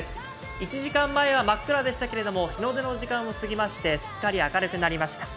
１時間前は真っ暗でしたけれども日の出の時間を過ぎましてすっかり明るくなりました。